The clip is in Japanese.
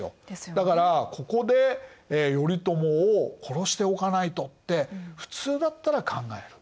だから「ここで頼朝を殺しておかないと」って普通だったら考える。